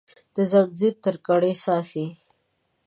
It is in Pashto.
د ځنځیر تر کړۍ څاڅي